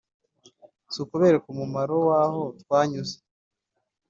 sukubereka umuraho waho twanyuze?"